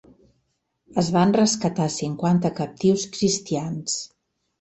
Es van rescatar cinquanta captius cristians.